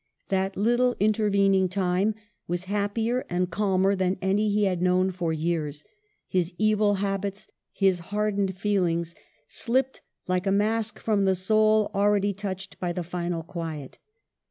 That little intervening time was happier and calmer than any he had known for years ; his evil habits, his hardened feelings, slipped, like a mask, from the soul already touched by the final quiet.